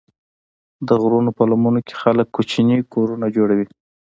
د غرونو په لمنو کې خلک کوچني کورونه جوړوي.